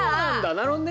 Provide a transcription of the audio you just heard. なるほどね。